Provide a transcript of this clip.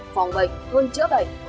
phòng bệnh hơn chữa bệnh